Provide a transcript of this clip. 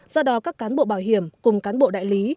do đó các cán bộ bảo hiểm cùng cán bộ đại lý